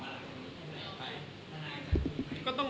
เขาติดต่อมาหลัง